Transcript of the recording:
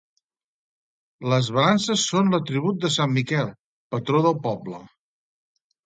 Les balances són l'atribut de sant Miquel, patró del poble.